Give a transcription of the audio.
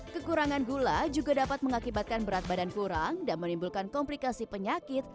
kekurangan gula juga dapat mengakibatkan berat badan kurang dan menimbulkan komplikasi penyakit